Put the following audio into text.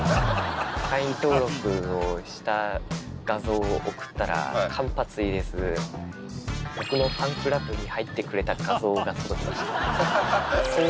会員登録をした画像を送ったら、間髪入れず、僕のファンクラブに入ってくれた画像が届きました。